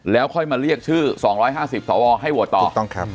แล้วค่อยมาเรียกชื่อ๒๕๐สอวอให้โหวตต่อ